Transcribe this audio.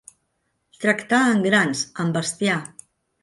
Tractar en grans, en bestiar.